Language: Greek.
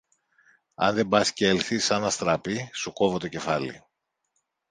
Αν δεν πας κι έλθεις σαν αστραπή, σου κόβω το κεφάλι!